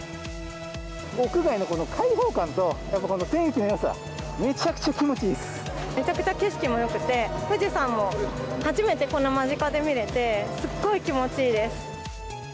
屋外のこの開放感と、天気のよさ、めちゃくちゃ気持ちいいでめちゃくちゃ景色もよくて、富士山も初めてこんな間近で見れて、すっごい気持ちいいです。